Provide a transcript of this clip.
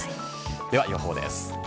では予報です。